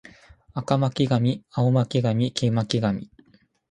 赤巻上青巻紙黄巻紙